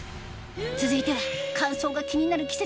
続いては乾燥が気になる